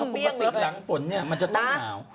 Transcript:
ปกติหลังฝนมันจะต้องหนาว